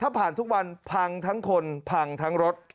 ถ้าผ่านทุกวันพังทั้งคนพังทั้งรถ